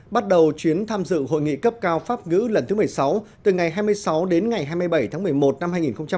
bắt đầu chuyến tham dự hội nghị cấp cao pháp ngữ lần thứ một mươi sáu từ ngày hai mươi sáu đến ngày hai mươi bảy tháng một mươi một năm hai nghìn hai mươi